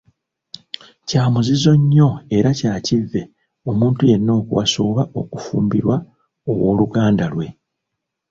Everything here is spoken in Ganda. Kya muzizo nnyo era kya kivve, omuntu yenna okuwasa oba okufumbirwa ow'oluganda lwe.